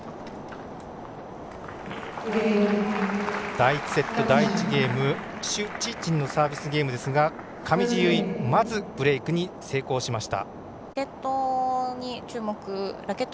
第１セット、第１ゲーム朱珍珍のサービスゲームですが上地結衣まずブレークに成功しました。